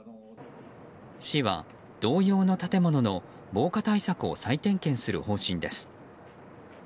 市は同様の建物の防火対策を再点検する方針です。